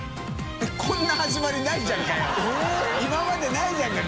えっこんな始まりないじゃんかよ。）